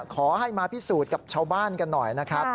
ขอให้มาพิสูจน์กับชาวบ้านกันหน่อยนะครับ